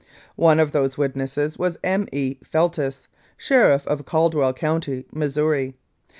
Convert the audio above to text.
"One of those witnesses was M. E. Feltis, Sheriff of Caldwell County, Missouri.